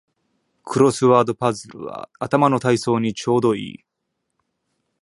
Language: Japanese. クロスワードパズルは頭の体操にちょうどいい